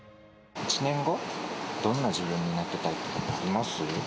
１年後、どんな自分になっていたいとかってあります？